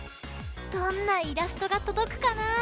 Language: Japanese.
どんなイラストがとどくかな？